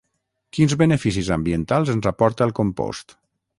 Quins beneficis ambientals ens aporta el compost?